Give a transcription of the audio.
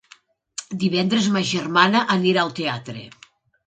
Divendres ma germana anirà al teatre.